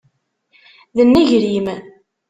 D nnger-im!